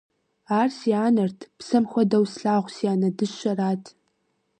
Ар си анэрт, псэм хуэдэу слъагъу си анэ дыщэрат.